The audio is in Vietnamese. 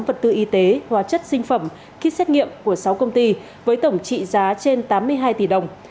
vật tư y tế hóa chất sinh phẩm kit xét nghiệm của sáu công ty với tổng trị giá trên tám mươi hai tỷ đồng